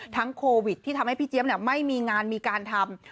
โควิดที่ทำให้พี่เจี๊ยบไม่มีงานมีการทำ